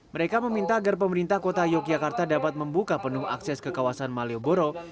mereka meminta agar pemerintah kota yogyakarta dapat membuka penuh akses ke kawasan malioboro